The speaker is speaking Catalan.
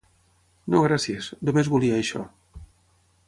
No, gràcies, només volia això.